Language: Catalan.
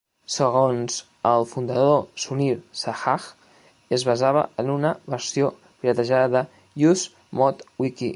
Segons el fundador Sunir Shah, es basava en "una versió piratejada d'UseModWiki".